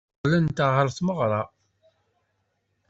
Qqlent ɣer tmeɣra.